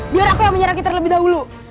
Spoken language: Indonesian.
biar aku yang menyerah kita lebih dahulu